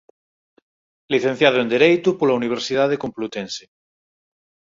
Licenciado en Dereito pola Universidade Complutense.